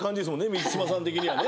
満島さん的にはね。